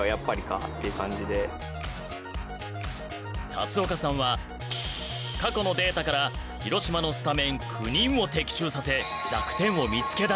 龍岡さんは過去のデータから広島のスタメン９人を的中させえ！